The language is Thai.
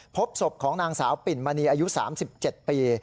พบศพของนางสาวปิ่นมณีอายุ๓๗ปี